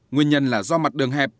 nguyên nhân là do mặt đường hẹp